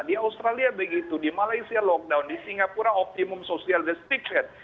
di australia begitu di malaysia lockdown di singapura optimum social the stiction